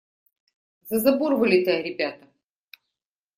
За забор вылетай, ребята!